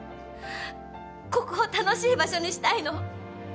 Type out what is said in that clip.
ここを楽しい場所にしたいの。